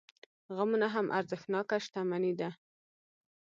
غمونه هم ارزښتناکه شتمني ده.